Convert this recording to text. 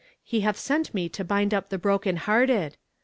'He hath sent me to bind up the broken hearted.'